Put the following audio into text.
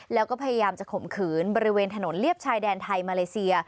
แล้วก็พยายามจะข่มขืนบริเวณถนนเลียบชายแดนไทยมาเลเซีย